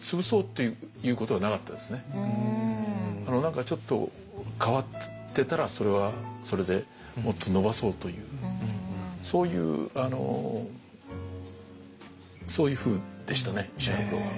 何かちょっと変わってたらそれはそれでもっと伸ばそうというそういうそういうふうでしたね石原プロは。